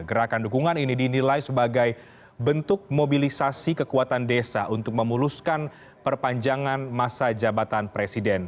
gerakan dukungan ini dinilai sebagai bentuk mobilisasi kekuatan desa untuk memuluskan perpanjangan masa jabatan presiden